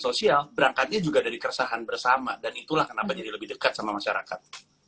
sosial berangkatnya juga dari keresahan bersama dan itulah kenapa jadi lebih dekat sama masyarakat